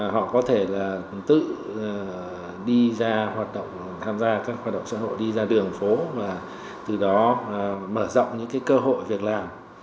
họ có thể là tự đi ra hoạt động tham gia các hoạt động xã hội đi ra đường phố và từ đó mở rộng những cơ hội việc làm